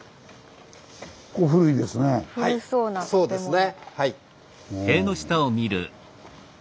はいそうですね。